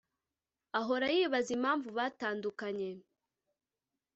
ahora yibaza impamvu batandukanye